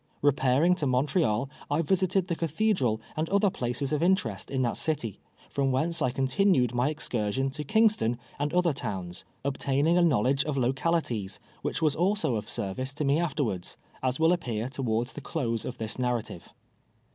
Bepairing to Montreal, I visited the cathedi al and other places of interest in that city, from whence I continued my ex cursion to Kingston and other towns, obtaining a knowledge of localities, which was also of service to me afterwards, as will appear towards the close of this narrative.